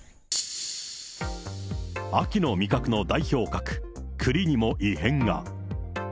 秋の味覚の代表格、栗にも異変が。